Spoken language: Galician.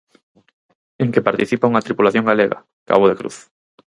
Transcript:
En que participa unha tripulación galega, Cabo de Cruz.